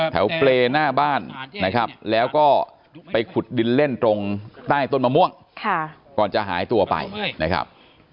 เปรย์หน้าบ้านนะครับแล้วก็ไปขุดดินเล่นตรงใต้ต้นมะม่วงก่อนจะหายตัวไปนะครับ